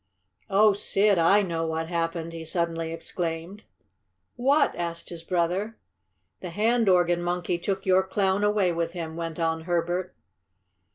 Oh, Sid! I know what happened!" he suddenly exclaimed. "What?" asked his brother. "The hand organ monkey took your Clown away with him!" went on Herbert.